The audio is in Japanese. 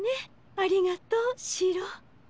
ありがとうシロー。